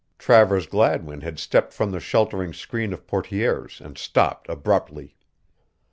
Travers Gladwin had stepped from the sheltering screen of portières and stopped abruptly.